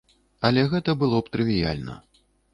Але гэта было б трывіяльна.